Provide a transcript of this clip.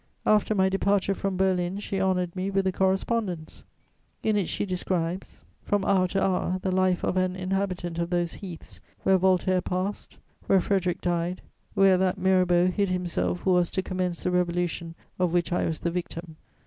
After my departure from Berlin, she honoured me with a correspondence; in it she describes, from hour to hour, the life of an inhabitant of those heaths where Voltaire passed, where Frederic died, where that Mirabeau hid himself who was to commence the Revolution of which I was the victim.